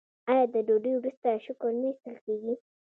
آیا د ډوډۍ وروسته شکر نه ایستل کیږي؟